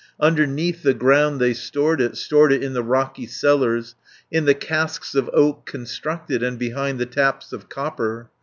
Underneath the ground they stored it, Stored it in the rocky cellars, In the casks of oak constructed, And behind the taps of copper.